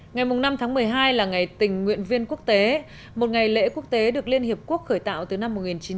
ngày năm tháng một mươi hai là ngày tình nguyện viên quốc tế một ngày lễ quốc tế được liên hiệp quốc khởi tạo từ năm một nghìn chín trăm tám mươi